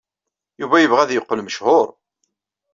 Yuba yebɣa ad yeqqel mechuṛ.